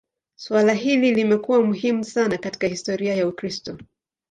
Suala hili limekuwa muhimu sana katika historia ya Ukristo.